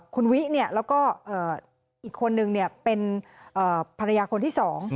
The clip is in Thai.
คุณวิเนี่ยแล้วก็อีกคนนึงเนี่ยเป็นภรรยาคนที่๒